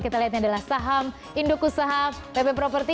kita lihatnya adalah saham indokusahab pp property